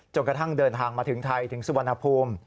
กระทั่งเดินทางมาถึงไทยถึงสุวรรณภูมิ